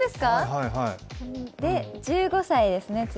で、１５歳ですね、次。